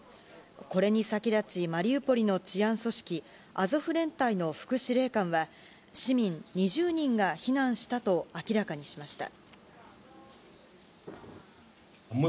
これに先立ち、マリウポリの治安組織、アゾフ連隊の副司令官は、市民２０人が避難したと明らかにしました。